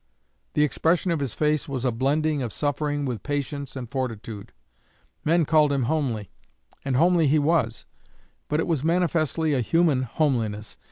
The expression of his face was a blending of suffering with patience and fortitude. Men called him homely, and homely he was; but it was manifestly a human homeliness.